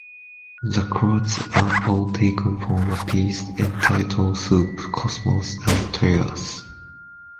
The quotes are all taken from a piece entitled Soup, Cosmos, and Tears.